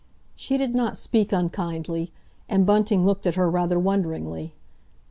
She did not speak unkindly, and Bunting looked at her rather wonderingly.